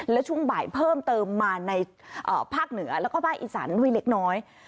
และช่วงบ่ายเพิ่มเติมมาในภาคเหนือแล้วก็ภาคอีสานด้วยเล็กน้อย